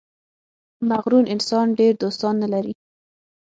• مغرور انسان ډېر دوستان نه لري.